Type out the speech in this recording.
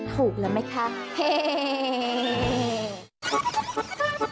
ถูกแล้วไหมคะเฮ